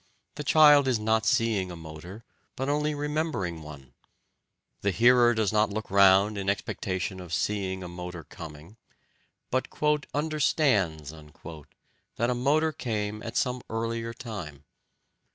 The child is not seeing a motor, but only remembering one; the hearer does not look round in expectation of seeing a motor coming, but "understands" that a motor came at some earlier time.